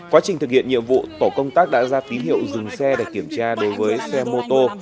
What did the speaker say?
quá trình thực hiện nhiệm vụ tổ công tác đã ra tín hiệu dừng xe để kiểm tra đối với xe mô tô